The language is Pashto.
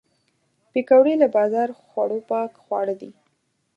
پکورې له بازار خوړو پاک خواړه دي